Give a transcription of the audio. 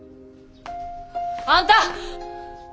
あんた！